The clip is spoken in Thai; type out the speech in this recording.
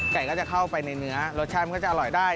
ไก่ก็จะเข้าไปในเนื้อรสชาติมันก็จะอร่อยได้